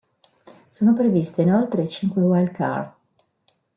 Sono previste inoltre cinque wild card.